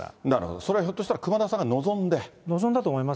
それはひょっとしたら、熊田さんが望んで。